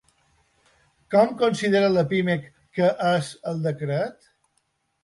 Com considera la Pimec que és el decret?